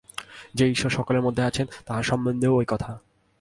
যে ঈশ্বর সকলের মধ্যে আছেন, তাঁহার সম্বন্ধেও ঐ কথা।